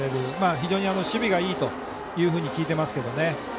非常に守備がいいというふうに聞いていますけどね。